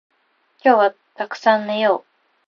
今日はたくさん寝よう